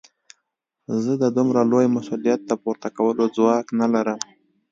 زه د دومره لوی مسوليت د پورته کولو ځواک نه لرم.